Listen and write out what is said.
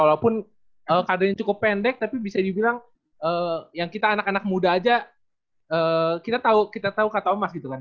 walaupun kadernya cukup pendek tapi bisa dibilang yang kita anak anak muda aja kita tahu kata emas gitu kan